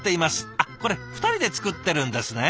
あっこれ２人で作ってるんですね。